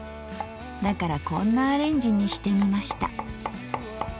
だからこんなアレンジにしてみました。